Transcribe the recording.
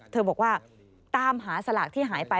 บอกว่าตามหาสลากที่หายไป